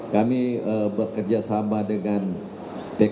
kami bekerja sama dengan pks dan partai lain